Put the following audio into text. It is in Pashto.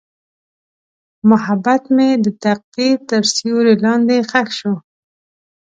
محبت مې د تقدیر تر سیوري لاندې ښخ شو.